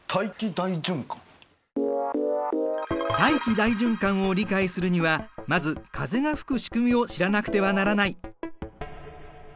大気大循環を理解するにはまず風が吹く仕組みを知らなくてはならない。